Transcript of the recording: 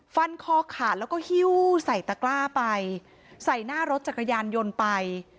ฟันคอขาดแล้วก็หิ้วใส่ตะกล้าไปใส่หน้ารถจักรยานยนต์ไป